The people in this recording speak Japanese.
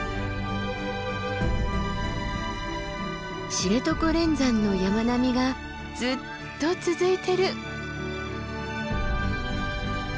知床連山の山並みがずっと続いてる。